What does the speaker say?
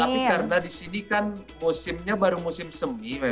tapi karena di sini kan musimnya baru musim semi